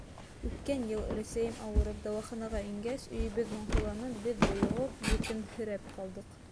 Үткән йыл, өләсәйем ауырып дауаханаға ингәс, өйөбөҙ моңһоуланып, беҙ бойоғоп, етемһерәп ҡалдыҡ.